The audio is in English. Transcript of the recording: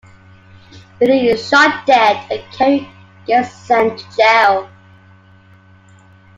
Lilli is shot dead and Carrie gets sent to jail.